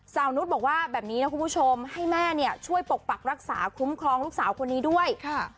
นุษย์บอกว่าแบบนี้นะคุณผู้ชมให้แม่เนี่ยช่วยปกปักรักษาคุ้มครองลูกสาวคนนี้ด้วยค่ะ